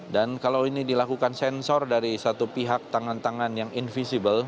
dan kalau ini dilakukan sensor dari satu pihak tangan tangan yang invisible